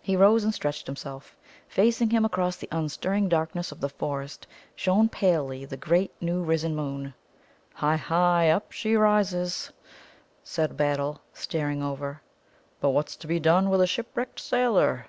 He rose and stretched himself. Facing him, across the unstirring darkness of the forest shone palely the great new risen moon. "'Hi, hi, up she rises,'" said Battle, staring over. "'But what's to be done with a shipwrecked sailor?'